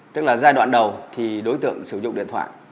tức là giai đoạn đầu thì đối tượng sử dụng điện thoại